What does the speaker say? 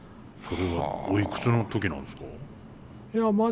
それはおいくつの時なんですか？